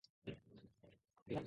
馬鹿ばかにしろよ、笑わらえよ